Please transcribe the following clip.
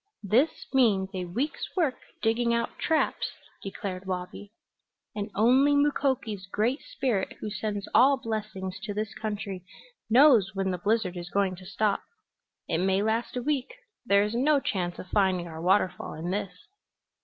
"This means a week's work digging out traps," declared Wabi. "And only Mukoki's Great Spirit, who sends all blessings to this country, knows when the blizzard is going to stop. It may last a week. There is no chance of finding our waterfall in this."